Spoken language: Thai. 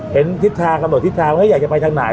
เห็นทิศทางกำหนดทิศทางอยากจะไปทางไหน